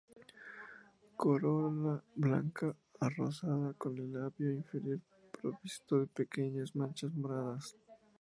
Corola blanca a rosada con el labio inferior provisto de pequeñas manchas moradas.